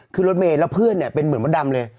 รถเมย์แล้วเพื่อนเนี่ยเป็นเหมือนมดดำเลย